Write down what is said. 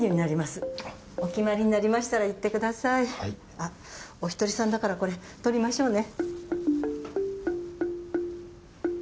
あっお一人さんだからこれ取りましょうね。